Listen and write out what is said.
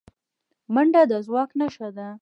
منډه د ځواک نښه ده